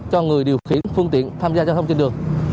cho người điều khiển phương tiện tham gia giao thông trên đường